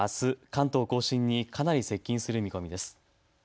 関東甲信にかなり接近する見込みです。